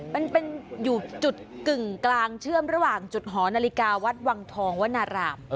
มันเป็นอยู่จุดกึ่งกลางเชื่อมระหว่างจุดหอนาฬิกาวัดวังทองวนาราม